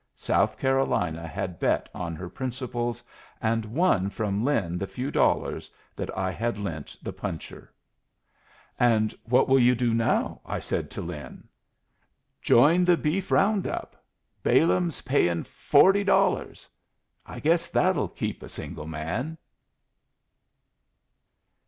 South Carolina had bet on her principles, and won from Lin the few dollars that I had lent the puncher. "And what will you do now?" I said to Lin. "Join the beef round up. Balaam's payin' forty dollars. I guess that'll keep a single man."